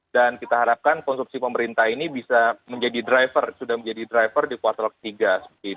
dan kita harapkan konsumsi pemerintah ini bisa menjadi driver sudah menjadi driver di kuartal ketiga